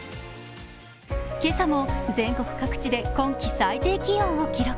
今朝も全国各地で今季最低気温を記録。